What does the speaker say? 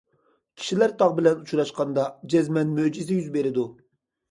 كىشىلەر تاغ بىلەن ئۇچراشقاندا، جەزمەن مۆجىزە يۈز بېرىدۇ.